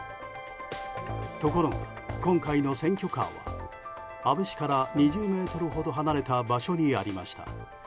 ところが今回の選挙カーは安倍氏から２０ｍほど離れた場所にありました。